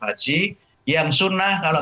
haji yang sunnah kalau